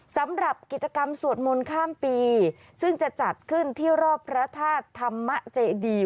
สำหรับกิจกรรมสวดมนต์ข้ามปีซึ่งจะจัดขึ้นที่รอบพระธาตุธรรมเจดี